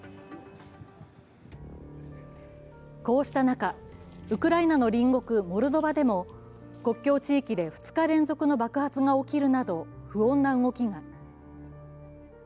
こうした中、ウクライナの隣国モルドバでも国境地域で２日連続の爆発が起きるなど不穏な動きが。